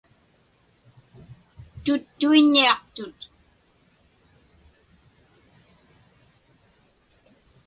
Tuttuiññiaqtut.